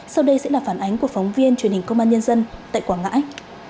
sau đây sẽ là phản ánh của phóng viên truyền hình công an nhân dân tại quảng ngãi